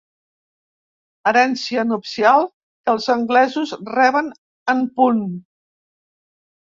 Herència nupcial que els anglesos reben en punt.